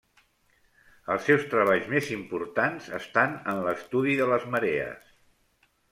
Els seus treballs més importants estan en l'estudi de les marees.